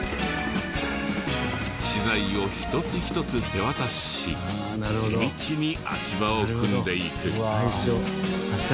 資材を一つ一つ手渡しし地道に足場を組んでいく。